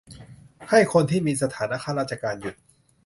- ให้คนที่มีสถานะข้าราชการหยุด